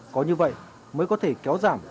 có như vậy mới có thể kéo giảm